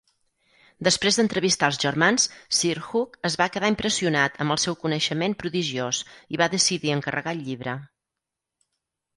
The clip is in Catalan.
Després d'entrevistar els germans, Sir Hugh es va quedar impressionat amb el seu coneixement prodigiós i va decidir encarregar el llibre.